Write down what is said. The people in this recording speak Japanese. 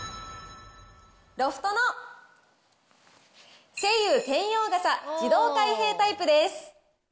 ロフトの晴雨兼用傘自動開閉タイプです。